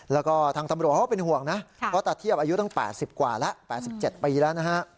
แล้วก็ทางตำรวจเขาก็เป็นห่วงนะเพราะตาเทียบอายุตั้ง๘๐กว่าแล้ว๘๗ปีแล้วนะฮะ